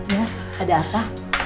ya ada apa